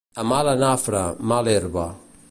A mala nafra, mala herba.